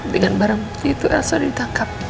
dengan barang bukti itu elsa ditangkap